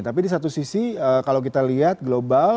tapi di satu sisi kalau kita lihat global